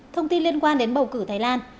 thông tin liên quan đến bầu cử thái lan